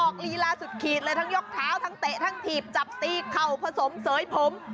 ลีลาสุดขีดเลยทั้งยกเท้าทั้งเตะทั้งถีบจับตีเข่าผสมเสยผม